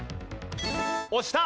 押した。